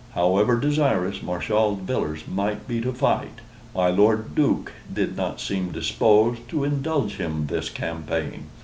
However desirous Marshal Villars might be to fight, my Lord Duke did not seem disposed to indulge him this campaign.